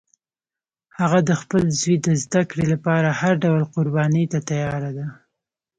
هغه د خپل زوی د زده کړې لپاره هر ډول قربانی ته تیار ده